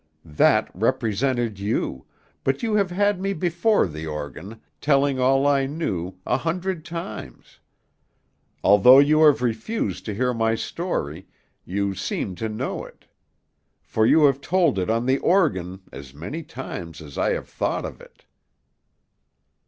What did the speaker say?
That represented you; but you have had me before the organ, telling all I knew, a hundred times. Although you have refused to hear my story, you seem to know it; for you have told it on the organ as many times as I have thought of it."